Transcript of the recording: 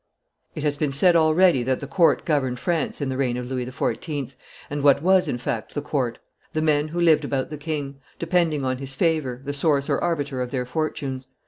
It has been said already that the court governed France in the reign of Louis XIV.; and what was, in fact, the court? The men who lived about the king, depending on, his favor, the source or arbiter of their fortunes.